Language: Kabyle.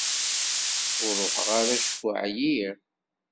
Ur ruḥeɣ ara acku ɛyiɣ.